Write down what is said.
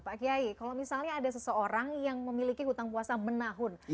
pak kiai kalau misalnya ada seseorang yang memiliki hutang puasa menahun